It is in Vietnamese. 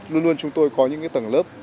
luôn luôn chúng tôi có những cái tầng lớp